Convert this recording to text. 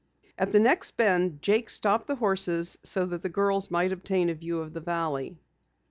At the next bend Jake stopped the horses so that the girls might obtain a view of the valley.